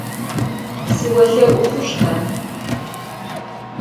Sıolhe'u xhuşta?